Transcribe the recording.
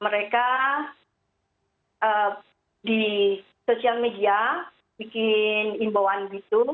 mereka di sosial media bikin imbauan gitu